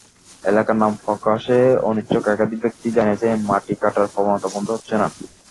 এলাকার নাম প্রকাশে অনিচ্ছুক একাধিক ব্যক্তি জানিয়েছেন, মাটি কাটার প্রবণতা বন্ধ হচ্ছে না।